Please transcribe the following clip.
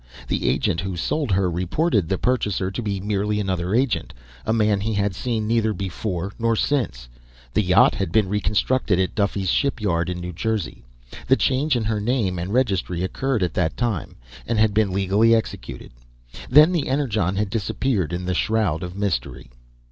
The agent who sold her reported the purchaser to be merely another agent, a man he had seen neither before nor since. The yacht had been reconstructed at Duffey's Shipyard in New Jersey. The change in her name and registry occurred at that time and had been legally executed. Then the Energon had disappeared in the shroud of mystery.